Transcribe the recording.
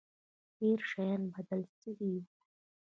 ډېر شيان بدل سوي وو.